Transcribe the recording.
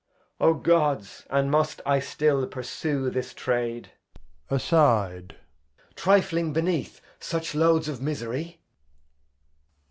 O Gods! And must I still pursue this Trade, [Aside. Trifling beneath such Loads of Misery